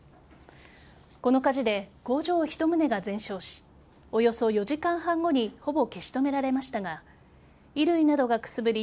この火事で工場１棟が全焼しおよそ４時間半後にほぼ消し止められましたが衣類などがくすぶり